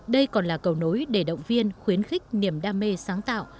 đây còn là cầu nối để động viên khuyến khích niềm đam mê sáng tạo